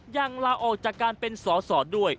ลาออกจากการเป็นสอสอด้วย